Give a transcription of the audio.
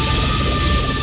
aku akan menangkapmu